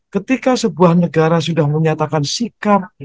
ketika sebuah negara sudah menyatakan sikap